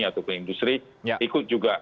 ataupun industri ikut juga